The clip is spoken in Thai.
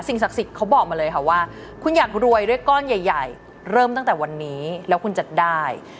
ศักดิ์สิทธิ์เขาบอกมาเลยค่ะว่าคุณอยากรวยด้วยก้อนใหญ่เริ่มตั้งแต่วันนี้แล้วคุณจัดได้